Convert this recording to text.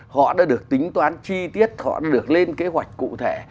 họ đã được tính toán chi tiết họ được lên kế hoạch cụ thể